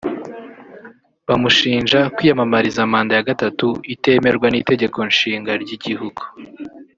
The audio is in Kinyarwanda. bamushinja kwiyamamariza manda ya gatatu itemerwa n’Itegeko Nshinga ry’Igihugu